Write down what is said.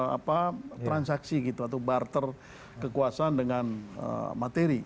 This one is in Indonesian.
atau melakukan transaksi gitu atau barter kekuasaan dengan materi